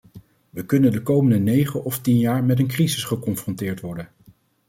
We kunnen de komende negen of tien jaar met een crisis geconfronteerd worden.